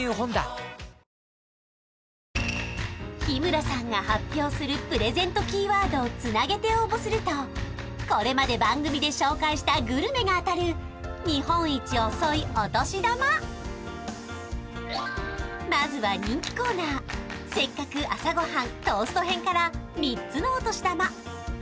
日村さんが発表するプレゼントキーワードをつなげて応募するとこれまで番組で紹介したグルメが当たる日本一遅いお年玉まずは人気コーナーから３つのお年玉